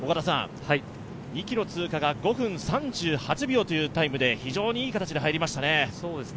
２ｋｍ通過が５分３８秒というタイムで非常にいい形で入りましたね。